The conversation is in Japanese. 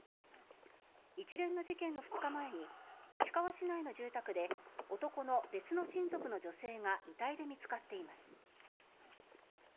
一連の事件の２日前に市川市内の住宅で男の別の親族の女性が遺体で見つかっています。